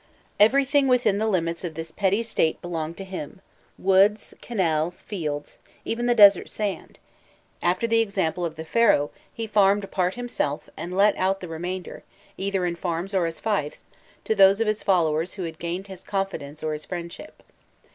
Everything within the limits of this petty state belonged to him woods, canals, fields, even the desert sand: after the example of the Pharaoh, he farmed a part himself, and let out the remainder, either in farms or as fiefs, to those of his followers who had gained his confidence or his friendship.